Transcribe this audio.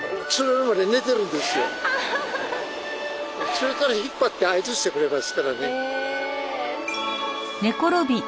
釣れたら引っ張って合図してくれますからね。